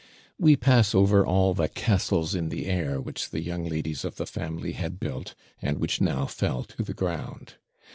We pass over all the castles in the air which the young ladies of the family had built, and which now fell to the ground.